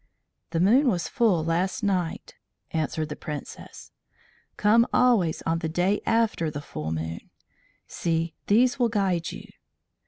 "The moon was full last night," answered the Princess. "Come always on the day after the full moon. See these will guide you."